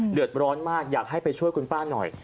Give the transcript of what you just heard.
เดือดร้อนมากอยากให้ไปช่วยคุณป้าหน่อย